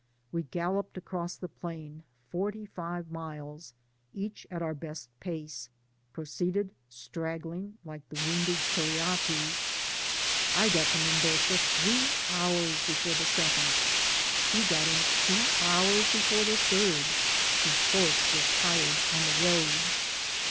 We gal loped across the fiaia — forty five miles— each at our best pace — proceeded straggling, like the wounded CuriatiL I got into M^^loza three hours before the second — ^he got in two hours before the third, whose horse was tired on the road.